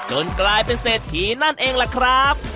กลายเป็นเศรษฐีนั่นเองล่ะครับ